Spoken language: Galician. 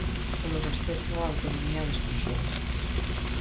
Polo respecto á autonomía das persoas.